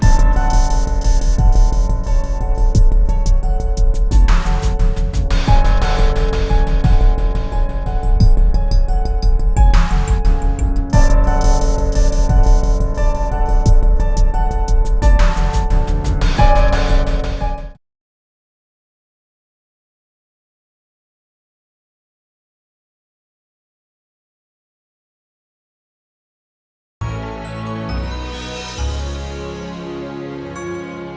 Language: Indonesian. sini rara bantuin